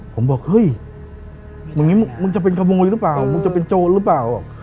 ผมบอกเฮ้ยมันจะเป็นขโมยหรือเปล่ามันจะเป็นโซนหรือเปล่า